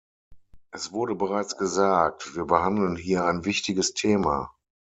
Es wurde bereits gesagt, wir behandeln hier ein wichtiges Thema.